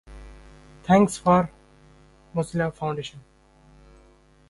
অনেকে বলছেন, এর মাধ্যমে বিশাল ধ্বংসযজ্ঞ শুরু হয়ে যাওয়ার আশঙ্কা আছে।